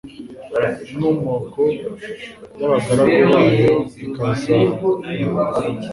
inkomoko y’abagaragu bayo ikazaharagwa